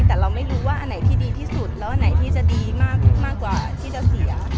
แต่เราไม่รู้ว่าอันไหนที่ดีที่สุดแล้วอันไหนที่จะดีมากกว่าที่จะเสีย